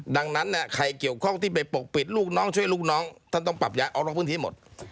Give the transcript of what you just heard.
ดังนั้นใครเกี่ยวข้องที่ไปปกปิดลูกน้องช่วยลูกน้องท่านต้องปรับย้ายออกนอกพื้นที่หมด